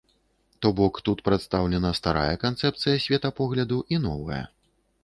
То бок тут прадстаўлена старая канцэпцыя светапогляду і новая.